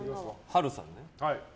波瑠さん。